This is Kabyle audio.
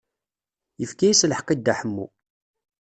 Yefka-as lḥeqq i Dda Ḥemmu.